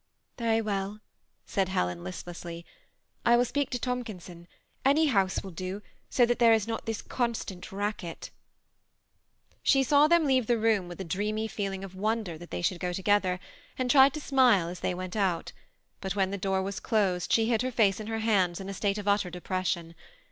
Very well," said Helen, listlessly. "I will #peak to Tomkinaon ; any house will do, so that there is not this constant racket" She saw them leave the room with a dreamy feeling of wonder that they should go tc^ther, and tried to smile as they went out ; but when the door was closed she hid her face in her hands in a state of utter depression.